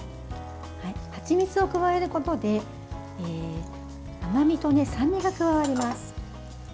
はちみつを加えることで甘みと酸味が加わります。